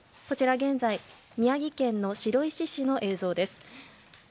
こちら、現在の宮城県白石市の映像です。